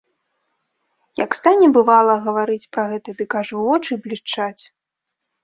Як стане, бывала, гаварыць пра гэта, дык аж вочы блішчаць.